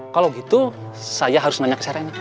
kalau gitu saya harus nanya ke sana